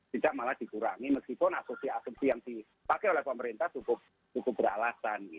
tidak malah dikurangi meskipun asumsi asumsi yang dipakai oleh pemerintah cukup beralasan